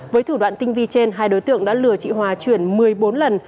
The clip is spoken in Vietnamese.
với thủ đoạn tinh vi trên hai đối tượng đã lừa chị hòa chuyển một mươi bốn lần